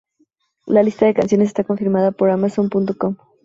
La lista de canciones está confirmada por Amazon.com.